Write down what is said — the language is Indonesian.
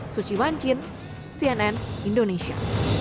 suci wanjin cnn indonesia